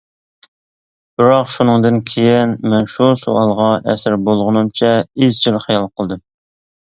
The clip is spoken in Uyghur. بىراق، شۇنىڭدىن كىيىن مەن شۇ سوئالغا ئەسىر بولغىنىمچە ئىزچىل خىيال قىلدىم.